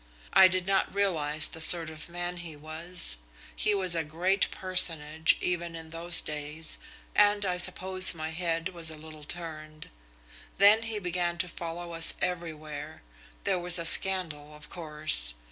I did not realise the sort of man he was. He was a great personage even in those days, and I suppose my head was a little turned. Then he began to follow us everywhere. There was a scandal, of course.